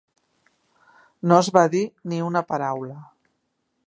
No es va dir ni una paraula.